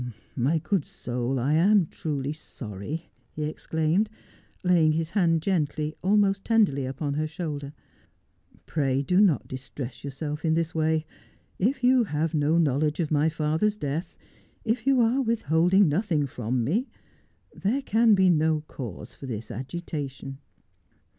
My good soul, I am truly sorry,' he exclaimed, laying his hand gently, almost tenderly, upon her shoulder. ' Bray do not distress yourself in this way. If you have no knowledge of my father's death, if you are withholding nothing from me, there can be no cause for this agitation.'